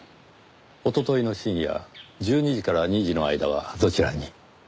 おとといの深夜１２時から２時の間はどちらに？